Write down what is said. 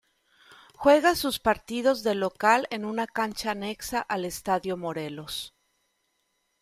Juega sus partidos de local en una Cancha Anexa al Estadio Morelos.